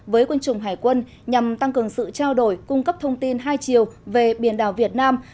với quân chủng hải quân nhằm tăng cường sự trao đổi cung cấp thông tin hai chiều về biển đảo việt nam